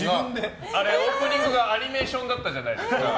オープニングがアニメーションだったじゃないですか。